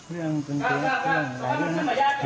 เรื่องหลายเรื่องครับ